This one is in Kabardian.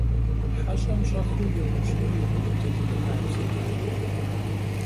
Heş'em ş'exıu yêupş'ınu yêmık'ut, adıge xabzeç'e.